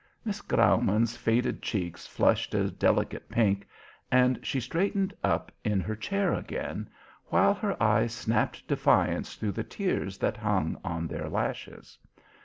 Miss Graumann's faded cheeks flushed a delicate pink, and she straightened up in her chair again, while her eyes snapped defiance through the tears that hung on their lashes.